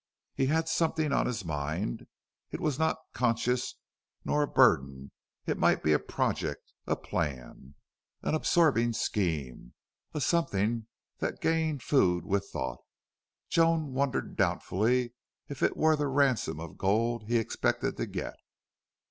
He had something on his mind. It was not conscience, nor a burden: it might be a projection, a plan, an absorbing scheme, a something that gained food with thought. Joan wondered doubtfully if it were the ransom of gold he expected to get.